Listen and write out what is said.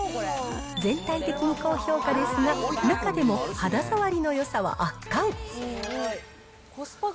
全体的に高評価ですが、中でも肌触りのよさは圧巻。